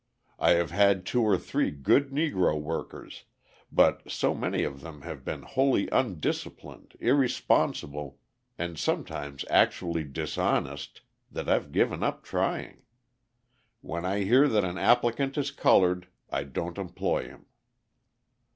I have had two or three good Negro workers, but so many of them have been wholly undisciplined, irresponsible, and sometimes actually dishonest, that I've given up trying. When I hear that an applicant is coloured, I don't employ him."